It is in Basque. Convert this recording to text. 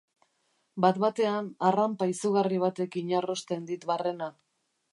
Bat-batean, arranpa izugarri batek inarrosten dit barrena.